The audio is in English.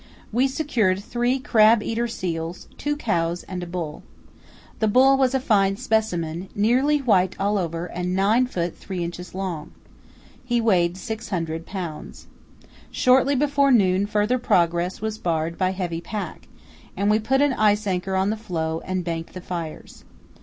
We secured three crab eater seals—two cows and a bull. The bull was a fine specimen, nearly white all over and 9 ft. 3 in. long; he weighed 600 lbs. Shortly before noon further progress was barred by heavy pack, and we put an ice anchor on the floe and banked the fires.